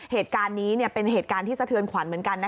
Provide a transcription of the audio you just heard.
เหตุการณ์นี้เป็นเหตุการณ์ที่สะเทือนขวัญเหมือนกันนะ